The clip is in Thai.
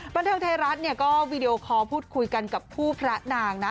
บันเทิงไทยรัฐเนี่ยก็วีดีโอคอลพูดคุยกันกับคู่พระนางนะ